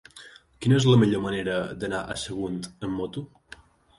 Quina és la millor manera d'anar a Sagunt amb moto?